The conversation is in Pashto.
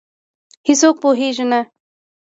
هیڅوک پوهېږې نه،